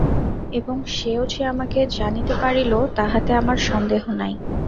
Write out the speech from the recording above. এবং সেও যে আমাকে জানিতে পারিল, তাহাতে আমার সন্দেহ নাই।